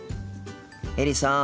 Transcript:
エリさん。